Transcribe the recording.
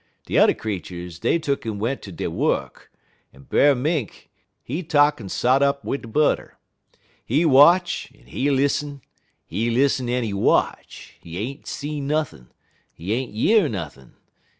De t'er creeturs dey tuck'n went off ter dey wuk, en Brer Mink he tuck'n sot up wid de butter. He watch en he lissen, he lissen en he watch; he ain't see nothin', he ain't year nothin'.